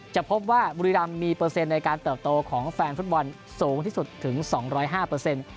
จะพบว่าบุรีรำมีเปอร์เซ็นต์ในการเติบโตของแฟนฟุตบอลสูงที่สุดถึง๒๐๕เปอร์เซ็นต์